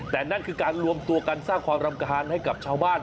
แต่นั่นคือการรวมตัวกันสร้างความรำคาญให้กับชาวบ้าน